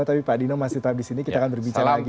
tapi pak dino masih tetap disini kita akan berbincang lagi